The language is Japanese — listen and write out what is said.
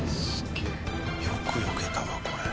よくよけたなこれ。